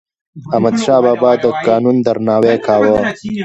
احمدشاه بابا د قانون درناوی کاوه.